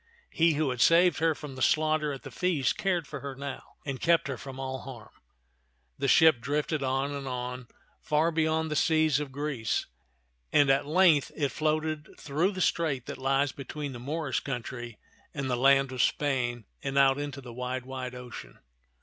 He who had saved her from the slaughter at the feast cared for her now, and kept her from all harm. The ship drifted on and on, far beyond the seas of Greece, and at length it floated through the strait that lies between the Moorish country and the land of Spain and out into the wide, wide ocean.